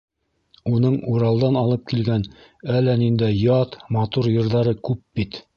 Уның Уралдан алып килгән әллә ниндәй ят, матур йырҙары күп бит.